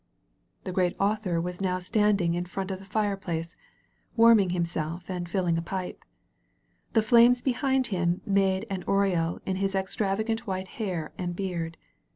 The Great Author was now standing in front of the fireplace, warming himself and filling a pipe« The flames behind him made an aureole in his ex travagant white hair and beard.